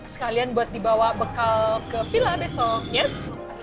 sekalian buat dibawa bekal ke villa besok yes